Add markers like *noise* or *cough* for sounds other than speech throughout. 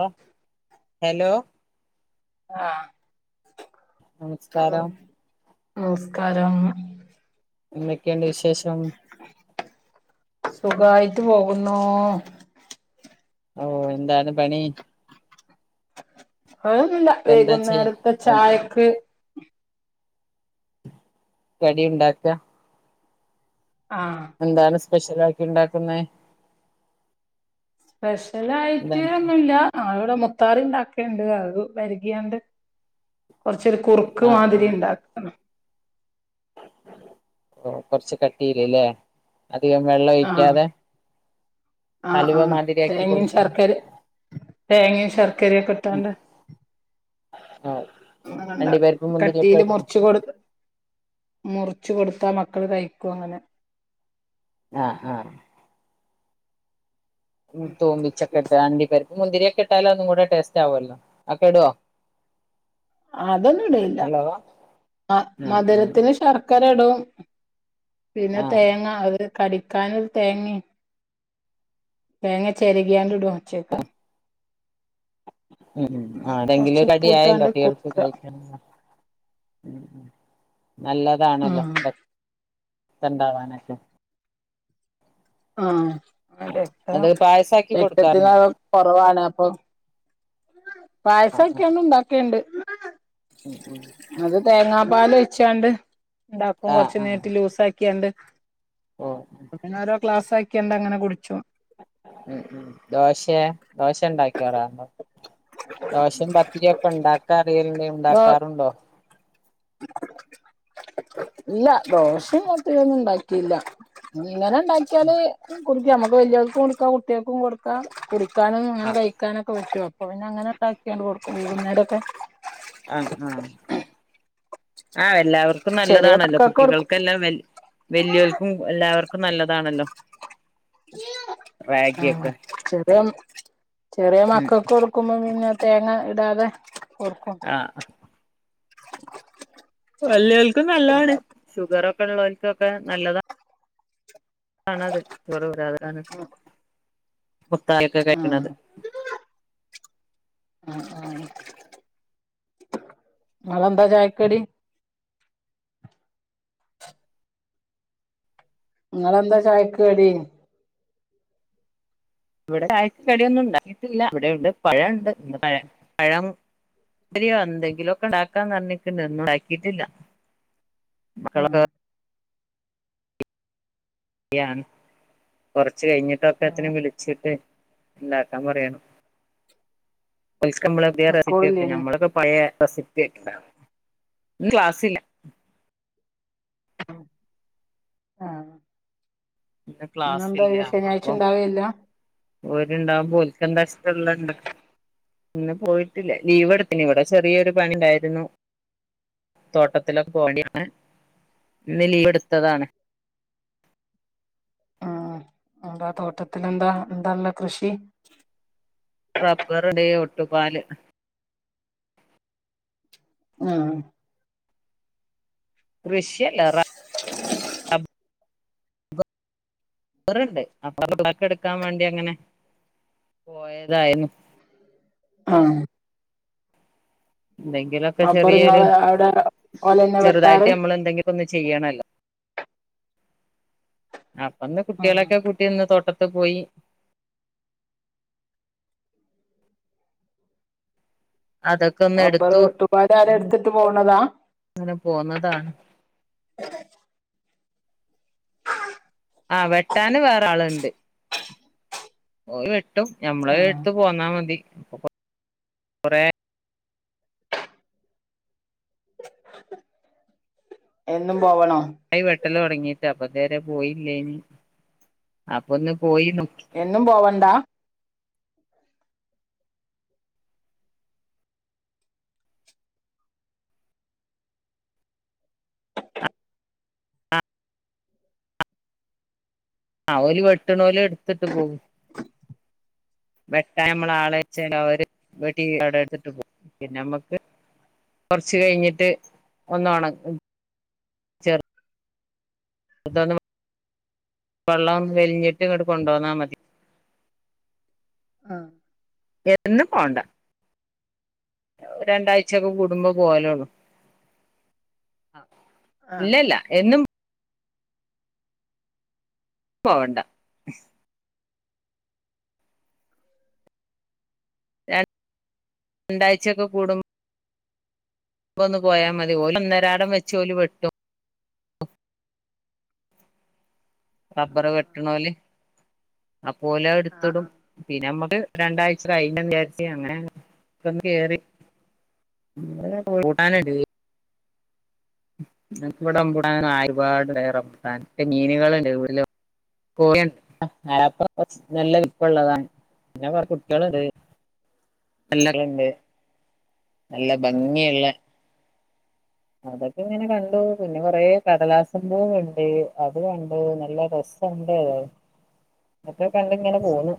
ആ ഹലോ ആഹ് കളർ നമസ്കാരം നമസ്കാരം ന്തൊക്കെണ്ട് വിശേഷം? സുഖായിട്ട് പോകുന്നു ഓ എന്താണ് പണി? അഹൊന്നുല്ല എന്താ ചെയ് വൈകുന്നേരത്തെ ചായക്ക് കടിയുണ്ടാക്ക ആഹ് സ്പെഷ്യലാക്കി ണ്ടാക്കുന്നേ സ്പെഷ്യലായിട്ട് ഒന്നുംല്ല *unintelligible* ത്താറി ണ്ടാക്കേണ്ട് അഹ് വരക്യാണ്ട് കൊർച്ചൊരു കുറുക്ക് ആ മാതിരി ണ്ടാക്കണം ഓ കൊർച്ച് കട്ടീല്ല്ലേ അധികം വെള്ളൊഴിക്കാതെ ആ ആ തേങ്ങിമ് കൊടുക്ക ശർക്കര തേങ്ങിമ് ശർക്കരൊക്ക ട്ടാണ്ട് ണണ്ട അണ്ടിപ്പരിപ്പ് മുന്തിരിയൊക്കെ കട്ടീല് ഇടോ മുർച്ച് കൊടു മുർ ച്ചു കൊടുത്താ മക്കള് കഴിക്കും അങ്ങനെ അ അ ഉം തൂമ്പിച്ചൊക്കട്ട് അണ്ടി പര് മുന്തിര്യോക്കെ ട്ടാല് അതും കൂടെ ടേസ്റ്റ് ആവുഅല്ലോ ആക്കെ ടൊ അതൊന്നും ഇടേല്ല മ ആ ആ മധുരത്തിന് ശർക്കര ടും പിന്നെ ആ തേങ്ങ അഹ് കടിക്കാന് തേങ്ങിമ് തേങ്ങ ചെരകിയാണ്ട് ടും അച്ചേക്ക് ഉം ആ എന്നിട്ട് കൊറച്ച് ന്തെങ്കിലും ഉപ്പ് കട്യായല്ലോ ഇട്ടാണ്ട് കുട്ടികൾക്ക് കൊടുക്കുക കഴിക്ക ഉം ഉം നല്ലതാണല്ലോ ഉം രക്തണ്ടാവാനൊക്കെ ആ രക്തം അത് പായസാക്കി കൊടുക്കാറുണ്ടോ രക്തത്തിന്റളവ് കൊറവാണ് അപ്പം ആ ആ പായസൊക്കെയന്ന് ണ്ടാക്കെണ്ട് ഉം ഉം തേങ്ങാ പാൽ വെച്ചാണ്ട് ണ്ടാക്കും ആ കൊർച് ആ നീട്ടി ലൂസാക്ക്യാണ്ട്. ഓ ന്നോരോ ക്ലാസാക്ക്യാണ്ടങ്ങനെ കുട്ച്ചും ഉം ഉം ദോശേ ദോശണ്ടാക്കി രാറുണ്ടോ ദോഷിം പത്തിര്യോക്കെ ണ്ടാക്കാ അറിയൽ ല്ലേ ണ്ടാക്കാറുണ്ടോ ല്ല ദോഷിം പത്തിര്യോന്നും ണ്ടാക്കില്ല ങ്ങനെ ണ്ടാക്കിയാല് കുടിക്കാം നമുക്ക് വല്ല്യോൽക്കും കൊട്ക്കാം കുട്ട്യാൾക്കും കൊട്ക്കാം കുടി ക്കാനും ആ ങ്ങനെ കഴിക്കാനൊക്കെ പറ്റും അപ്പൊ പിന്നങ്ങനെ ണ്ടാക്ക്യാണ്ട് കൊട്ക്കും വൈകുന്നേരൊക്കെ ആ ഹാ ആ എല്ലാവർക്കും ചെറിയ നല്ലതാണല്ലോ മക്കൾക്ക് കൊടുക്കും കുട്ടികൾക്കെല്ലാം വൽ വല്ല്യോർക്കും എല്ലാവർക്കും നല്ലതാണല്ലോ ആ റാഗിയൊക്കെ ചെറ്യേ ചെറ്യേ ഉം മക്കൾക്കൊടുക്കുമ്പോ പിന്നെ തേങ്ങ ഇടാതെ കൊടുക്കും അ വല്ല്യോൽക്കും നല്ലാണ് ഷുഗറൊക്കെ ള്ളോൽക്കൊക്കെ നല്ലതാ ണത് *unintelligible* *unintelligible* മുത്താലൊക്കെ ആഹ് കൈക്ക്ണത് ആ ആ നാളെന്താ ചായക്കടി? ങ്ങളെന്താ ചായക്ക് കടി വടെ ചായക്ക് കട്യോന്നും ണ്ടാക്കിട്ടില്ല അവിടെണ്ട് പഴണ്ട് ന്ന് പഴം പഴം രിയോ ന്തെങ്കിലൊക്കെ ണ്ടാക്കാന്നർഞ്ഞിക്ക്ണ്ട് ന്നും ണ്ടാക്കിട്ടില്ല ആഹ് ഞാൻ കൊറച്ച് കഴിഞ്ഞിട്ടൊക്കെ ത്തിനിം വിളിച്ചിട്ട് ണ്ടാക്കാൻ പറയണം *unintelligible* റെസിപ്പ്യോക്കേ സ്കൂളില്ലേനോ ഞമ്മളൊക്കെ പഴേ പ്രസക്തിയൊക്കെ ണ്ടാ ന്ന് ക്ലാസ്സില്ല ആഹ് ന്ന് ഇന്നെന്താ ക്ലാസില്ല ശനിയാഴ്ച അപ്പം ഉണ്ടാവേയില്ല ഓര്ണ്ടാവുമ്പോ ഓൽക്കെന്താ ച്ചാ *unintelligible* ഇന്ന് പോയിട്ടില്ല ലീവ് എടുത്തിന് ഇവിടെ ചെറിയൊരു പണിണ്ടായിരുന്നു തോട്ടത്തിലൊക്കെ പോകേണ്ടകെണ്ടാണ് ഇന്ന് ലീവെടുത്തതാണ് *inaudible* ആഹ് എന്താ തോട്ടത്തിലെന്താ എന്താ എന്തായുള്ള കൃഷി റബ്ബറുടെ ഒട്ടുപാല് ആ കൃഷിയല്ല റമ്പ- റുണ്ട് അപ്പ പാൽ എടുക്കാൻ വേണ്ടി അങ്ങനെ പോയതായിരുന്നു ആ എന്തെങ്കിലൊക്കെ ചെറിയൊരു റബ്ബറിങ്ങള് അവിടെ ഓലെന്നെ ചെറുതായിട്ട് വെട്ടാറ് നമ്മൾ എന്തെങ്കിലും ഇപ്പൊന്ന് ചെയ്യണല്ലോ അപ്പ ഇന്ന് ആഹ് കുട്ടികളൊക്കെ കൂട്ടി ഇന്ന് തോട്ടത്ത് പോയി അതൊക്കെ ഒന്ന് റബ്ബറ് എടുത്തു വെട്ടുമ്പാല് ആരേം എടുത്തിട്ട് പോണതാ അങ്ങനെ പോന്നതാണ് *inaudible* ആ വെട്ടാന് വേറെ ആളുണ്ട് ഓരു വെട്ടി ട്ടും ഞമ്മള ആഹ് എടുത്ത് പോന്നാ മതി അപ്പ കൊറെ എന്നും പോവണോ ആ വെട്ടല തുടങ്ങിട്ട് അപ്പൊ നേരെ പോയില്ലേന് അപ്പൊ ഒന്ന് പോയി നോക്കി എന്നും പോവണ്ടാ ആ ഓര് വെട്ടണ ഓല് എടുത്തിട്ട് പോകും വെട്ടാൻ നമ്മള ആള വച്ചഅവര് വെട്ടി അവിടെ എടുത്തിട്ട് പോകും പിന്നെ നമ്മക്ക് കൊറച്ച് കഴിഞ്ഞിട്ട് ഒന്നൊണ ചെറു- അത വള്ളം വെലിഞ്ഞിട്ട് ഇങ്ങ കൊണ്ട വന്നാ മതി ആ എന്നന്നും പോണ്ട രണ്ടാഴ്ചക്കെ കൂടുമ്പോ പോകലോള്ളു ആഹ് ഇല്ലല്ല എന്നും പോവണ്ട രണ്ട് രണ്ടാഴ്ച്ചയെക്കെ കൂടുമ്പോ അപ്പം ഒന്ന് പോയാ മതി ഓല് ഒന്നരാടം വെച്ച ഓല് വെട്ടു റബ്ബർ വെട്ടണഓല് ആപ്പ ഓല് ആഹ് എടുത്തിടും ആഹ് പിന്നെ നമ്മള് രണ്ടാഴ്ച്ച കഴിഞ്ഞ വിചാരിച്ച അങ്ങനെ ഒന്ന് കേറി വേറെ കൂട്ടാനടി നന്മ ഇവിടെ നാലുപാടെ റംബുട്ടൻ മീനുകളല്ല പോയണ്ട് ആപ്പറം നല്ല വലിപ്പമുള്ളതാണ് പിന്നെ കുറ കുട്ടികളുണ്ട് എല്ലാരുണ്ട് നല്ല ഭംഗിയുള്ള അതൊക്കെ ഇങ്ങനെ കണ്ടു പിന്നെ കൊറെ കടലാസപൂ ഉണ്ട് അത് കണ്ടു നല്ല രസ പോണ്ടേ അതെ മറ്റേ കണ്ടിങ്ങനെ പോന്ന്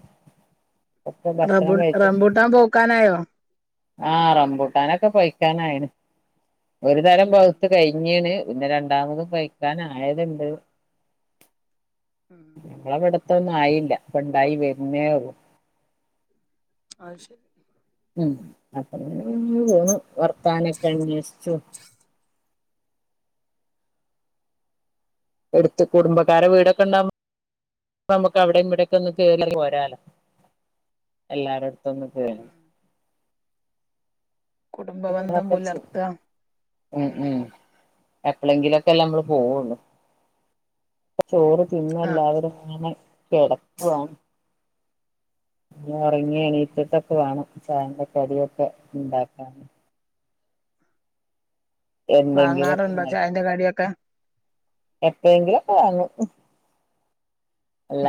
റംബ റംബൂട്ടാൻ പൂക്കാനായോ ആ റംബൂട്ടാനൊക്കെ പഴിക്കാക്കാനായി ഒരു തരം പുഴുത്ത് കഴിഞ്ഞീണ് പിന്നെ രണ്ടാമതും പഴുക്കാൻ ആയതുണ്ട് ഉം ഞങ്ങടെ അവിടു- അത്തൊന്നും ആയില്ല ഉണ്ടായി വരുന്നേുയുള്ളൂ അ ശരി അപ്പ പോന്നു വർത്താനൊക്കെ അന്വേഷിച്ചു അടുത്ത് കുടുംബക്കാരെ വീടൊക്കെ ഉണ്ടാവുമ്പോ നമ്മുക്ക് അവിടെയും ഇവിടെക്കെ ഒന്ന് കേറി പോരാലോ എല്ലാരോടും പത്തന്നൊക്ക *unintelligible* ഉം കുടുംബബന്ധം പുലർത്താ ഉം എപ്പഴെങ്കിലും ഒക്കെല്ല നമ്മള് പോവുള്ളു ചോറ് തിന്ന ആഹ് എല്ലാവരും അങ്ങനെ കിടക്കാണ് ഇ ഉം നിഉറങ്ങിയണീറ്റത്തൊക്കെ വാണം ചായന്റെ കടിയൊക്കെ ഇണ്ടാക്കാണ് എന്തെങ്കിലൊക്കെ വാങ്ങാറുണ്ടോ ഉണ്ടാക്കി ചായൻന്റെ കടിയൊക്കെ എപ്പോഴെങ്കിലൊക്കെ വാങ്ങും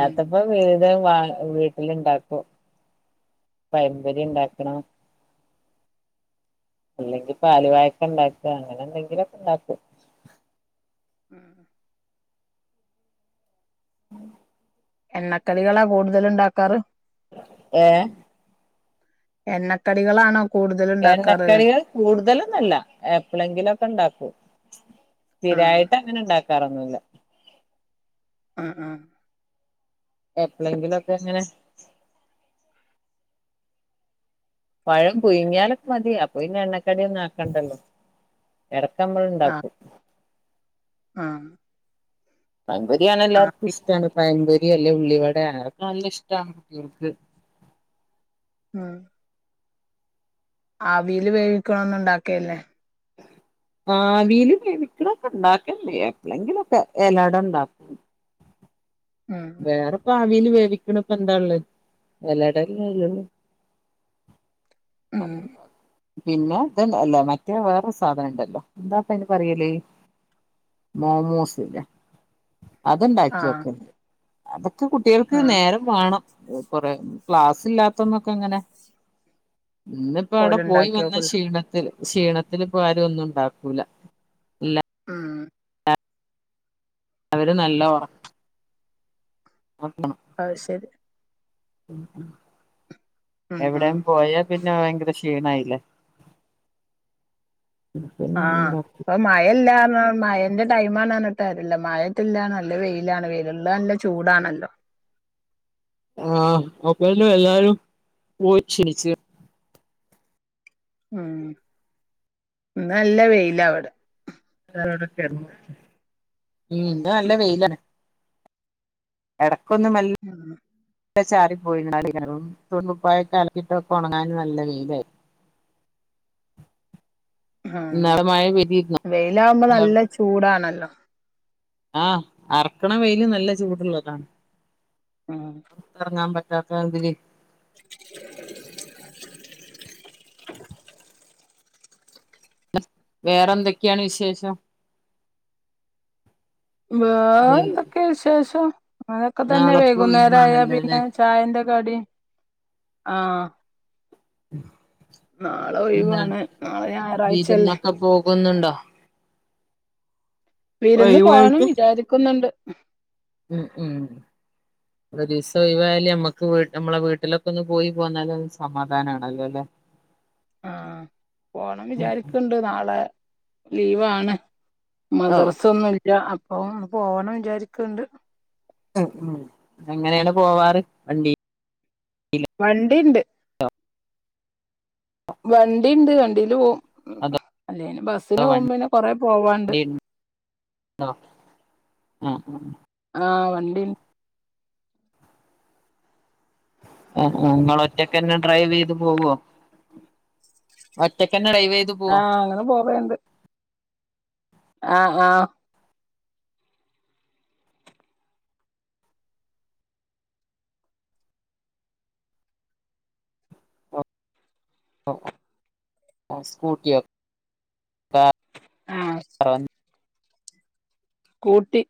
ഉം വേടി ഇ വ *unintelligible* വീട്ടില് ഇണ്ടാക്കും പയം പൊരി ഉണ്ടാക്കണം അല്ലെങ്കിൽ പാൽ വായക്ക ഉണ്ടാക്ക അങ്ങനെ എന്തെങ്കിലൊക്കെ ഉണ്ടാക്കും *inaudible* ആ ഉം എണ്ണക്കളികളാ കൂടുതല് ഉണ്ടാക്കാറ് ഏ എണ്ണക്കടികളാണോ എണ്ണ കൂടുതല്ണ്ടാക്കാറ് കടികൾ കൂടുതലൊന്നല്ല എപ്ളേങ്കിലൊക്കെണ്ടാക്കും ആഹ് സ്ഥിരായിട്ട് അങ്ങനെ ഉണ്ടാക്കാറൊന്നുല്ല അ അഹ് എപ്പളെങ്കിലൊക്കെങ്ങനെ പഴം പുഴുങ്ങ്യാലൊക്കെ മതി അപ്പൊ പിന്നെ എണ്ണക്കടിഒന്നും ആക്കണ്ടല്ലോ ആഹ് എടക്കമ്മളള്ഇണ്ടാക്കും ആഹ് പയംപെരി *unintelligible* എലാർക്കും ആവി ഇസ്ടാണ് പയംപെരി യല്ലേ ഉള്ളിവടെ ഹൊക്കെ നല്ല ഇഷ്ടാണ് ഇൻക്ക് ആഹ് ആവില് വേവിക്കണൊന്ന ഉണ്ടാക്കല് ല്ലേ *inaudible* ആവീല് വേവിക്ക്ണാക്കെ ഇണ്ടാക്കെൽണ്ട് എപ്പളെങ്കിലൊക്കെ എലട ഉണ്ടാക്കും ഉം വേറെ പാട് ആവില് വേവിക്കണപ്പന്ത ഇള്ളേ എലട ല്ലെള്ളു ആ ഉം *unintelligible* പിന്നെ ഇത് അല്ലേ മറ്റേ വേറോരു സാധന ഇണ്ടല്ലോ എന്താപ്പയ്ന് പറയല് മോമോസ് ലെ ആഹ് അത്ണ്ടാക്കിയൊക്കെൽണ്ട് അതൊക്കെ കുട്ട്യൾക്ക് നേരം വാണം കൊറേ ക്ലാസ് ഇല്ലാത്തന്നൊക്കെ ങ്ങനെ ഇന്നിപ്പോ അവിടെ പോയി വന്ന ഓലുണ്ടാക്കിയോക്കല്ലോ ക്ഷീണത്തില് ക്ഷീണത്തില് പ്പോ ആരുംഒന്നു ഉണ്ടാക്കൂല ഉ ഉം അവര് നല്ല ഉറക് അഹ് സരി ഉം ഉം ഉം ഉംഎവിടെം പിന്നെ ഭയങ്കര ക്ഷീണായില്ലേ ആഹ് അപ്പ മഴല്ലാന്ന് മഴന്റെ ടൈ ആണ്ന്നറഞ്ഞിട്ട് കാര്യല്യാ മഴത്തില്ലാണല്ലോ വെയിലാണ് വെയിലുള്ളല്ല ചൂടാണല്ലോ ആഹ് അപ്പ എല്ലാരും പോയി ക്ഷണിച്ചു ഉം ഇന്ന് നല്ല വെയില വടെ ഉം ഇന്ന് നല്ല വെയിലാണ് എടക്കൊന്നുമല്ല ഉം ചാറി പോയിങ്ങറും *unintelligible* *unintelligible* തുണിക്കുപ്പായൊക്കെ അലക്കിട്ടൊക്കെ ഒണങ്ങാൻ നല്ല വെയിലായി ഉം ഇന്നലെ മഴ പെയ്തിരുന്നോ വെയിലകുമ്പോ നല്ല ചൂടാണല്ലോ ആഹ് അറക്കണ വെയില് നല്ല ചൂടുള്ളതാണ് ഉം ചത്രതിരി *inaudible* വേറെ എന്തൊക്കെയാണ് വിശേഷം വേ എന്തൊക്കെയ വിശേഷം അങ്ങനൊക്കെ തന്നെ നാളെപ്പോ വൈകുന്നേരം ആയാ പിന്നെ ചായന്റെ കടിം ഉ ആഹ് ഉം നാളെ ഒഴിവാണ് നാളെ ഞായറാഴ്ചല്ലേ കുന്നുണ്ടോ വിരുന്ന് പോണം ഒഴിവായിട്ട് വിചാരിക്കുന്നുണ്ട് ഉം ഉം ഒരിസം ഒഴിവായാലെ അമ്മക്ക് നമ്മടെ വീട്ടിലൊക്കൊന്ന് പോയി പോന്നാലെ നമുക്ക് സമാധാനാണല്ലോ ലെ *inaudible* ആഹ പോണം വിചാരിക്കണ്ട് നാളെ ലീവാണ് ഓഹ് മദ്രസൊന്നുമില്ല അപ്പൊ പോവമെന്നു വിചാരിക്കണ്ട് ഉ ഉ എങ്ങനെയാണ് പോവാറ് വണ്ടി വണ്ടിയുണ്ട് വണ്ടിയുണ്ട് വണ്ടിയില് പോവും ഉ അതോ അല്ലന് ബസ്സിന് പോകുമ്പോനെ കൊറെ പോവാണ്ട് വണ്ടി ണ്ടോ ആഹ് ആഹ് എൻഡി അ അ നിങ്ങൾ ഒറ്റക്ക് തന്നെ ഡ്രൈവ് ചെയ്ത് പോവോ ഒറ്റക്ക് ആഹ അങ്ങനെ പോവേണ്ട അ അ ആഹ് ആഹ് സ്കൂട്ടിയൊ ആഹ് ആഹ് പറ സ്കൂട്ടി